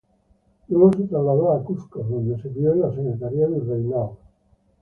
Luego se trasladó al Cuzco, donde sirvió en la secretaría virreinal.